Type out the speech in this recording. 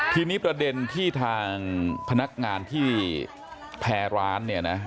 ทีนี้ประเด็นที่ทางพนักงานที่แพรร้านเนี่ยนะ